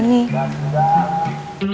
nggak ada apa apa